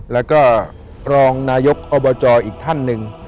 แล้วก็รองนายกอบจอีกท่านหนึ่ง